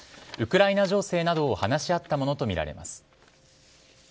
ウクライナ情勢などを話し合ったものとみられます。